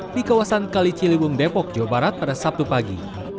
di kawasan kali ciliwung depok jawa barat pada sabtu pagi